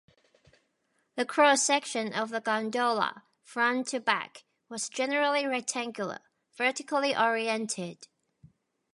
The cross-section of the gondola, front to back, was generally rectangular, vertically oriented.